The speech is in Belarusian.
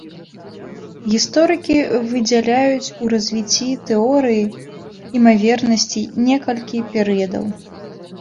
Гісторыкі выдзяляюць у развіцці тэорыі імавернасцей некалькі перыядаў.